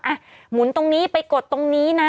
หมุนตรงนี้ไปกดตรงนี้นะ